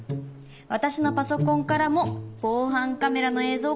私のパソコンからも防犯カメラの映像を確認できます。